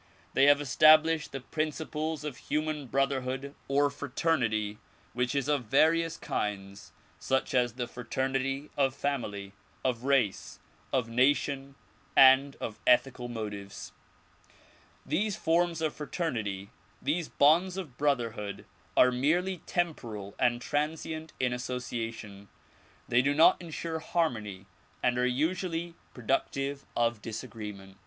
They have established the principles of human brotherhood or fraternity which is of various kinds, such as the fraternity of family, of race, of nation and of ethical motives. These forms of fraternity, these bonds of brotherhood are merely temporal and transient in association. They do not insure harmony and are usually produc tive of disagreement.